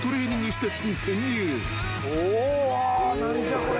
お何じゃこれ。